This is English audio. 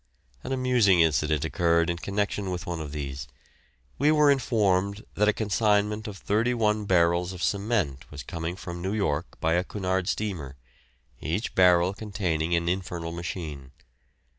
An amusing incident occurred in connection with one of these. We were informed that a consignment of thirty one barrels of cement was coming from New York by a Cunard steamer, each barrel containing an infernal machine.